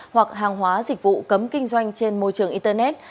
hoặc hàng hóa dịch vụ cấm kinh doanh trên môi trường internet